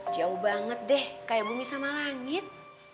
jauh banget deh kayak bumi sama langit